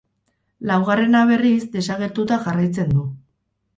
Laugarrena, berriz, desagertuta jarraitzen du.